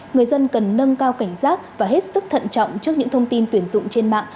người dân cần nâng cao cảnh giác và hết sức thận trọng trước những thông tin tuyển dụng trên mạng